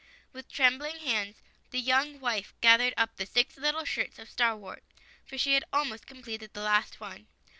With trembling hands the young wife gathered up the six little shirts of starwort — for she had almost completed the last one.